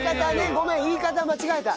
ごめん言い方間違えた。